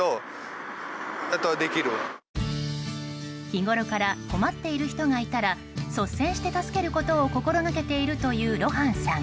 日ごろから困っている人がいたら率先して助けることを心がけているというロハンさん。